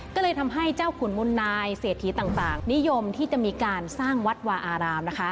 ก็เลยทำให้เจ้าขุนมุนนายเศรษฐีต่างนิยมที่จะมีการสร้างวัดวาอาราม